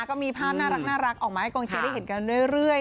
ก็มีภาพน่ารักออกมาให้กองเชียร์ได้เห็นกันเรื่อย